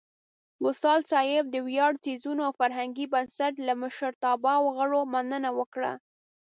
وصال صېب د ویاړ څیړنیز او فرهنګي بنسټ لۀ مشرتابۀ او غړو مننه وکړه